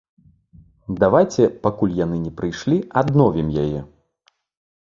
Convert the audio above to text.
Давайце, пакуль яны не прыйшлі, адновім яе.